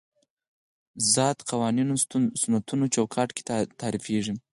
ذات قوانینو سنتونو چوکاټ کې تعریفېږي.